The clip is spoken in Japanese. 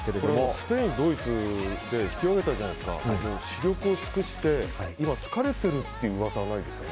スペイン、ドイツで引き分けたじゃないですか死力を尽くして今、疲れてるって噂ないですかね。